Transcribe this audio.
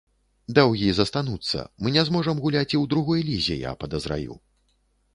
Даўгі застануцца, мы не зможам гуляць і ў другой лізе, я падазраю.